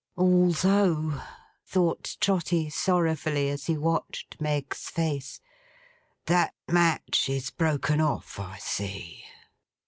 'Although,' thought Trotty, sorrowfully, as he watched Meg's face; 'that match is broken off, I see!